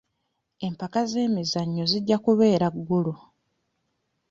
Empaka z'ebyemizannyo zijja kubeera Gulu.